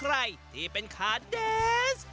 ใครที่เป็นขาแดนส์